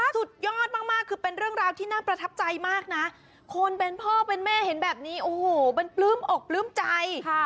สุดยอดมากคือเป็นเรื่องราวที่น่าประทับใจมากนะคนเป็นพ่อเป็นแม่เห็นแบบนี้โอ้โหเป็นปลื้มอกปลื้มใจ